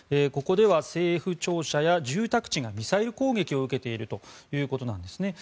ここでは政府庁舎や住宅地がミサイル攻撃を受けているということです。